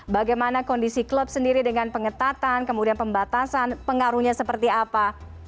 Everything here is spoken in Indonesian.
bagaimana kondisi klub sendiri dengan pengetatan kemudian pembatasan pengaruhnya seperti apa